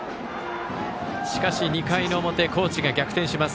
しかし、２回の表高知が逆転します。